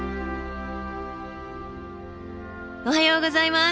おはようございます。